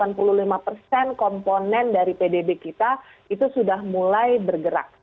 jadi kita bisa menghargai keuntungan pdb kita itu sudah mulai bergerak